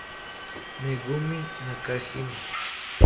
Megumi Nakajima